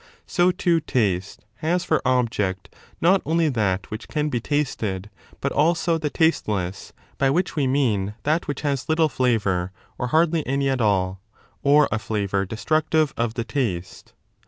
So, too, taste has for object The object mot only that which can be tasted, but also the tasteless, of taste. = by which we mean that which has little flavour or hardly any at all, or a flavour destructive of the taste.